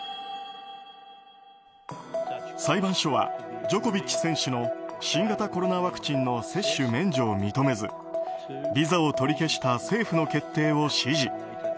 裁判所は、ジョコビッチ選手の新型コロナワクチンの接種免除を認めずビザを取り消した政府の決定を支持。